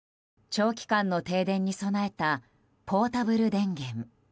長期間の停電に備えたポータブル電源。